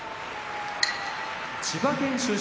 千葉県出身